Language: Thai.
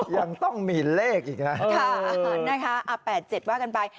ยังต้องมีเลขอีกนะคะ